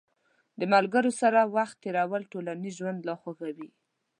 د ملګرو سره وخت تېرول ټولنیز ژوند لا خوږوي.